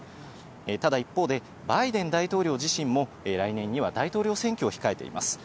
ただ一方で、バイデン大統領自身も、来年には大統領選挙を控えています。